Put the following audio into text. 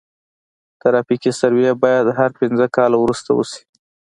ترافیکي سروې باید هر پنځه کاله وروسته وشي